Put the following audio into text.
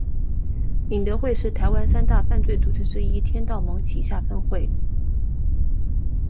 敏德会是台湾三大犯罪组织之一天道盟旗下分会。